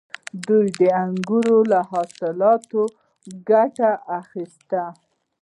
دوی د انګورو له حاصلاتو ګټه اخیسته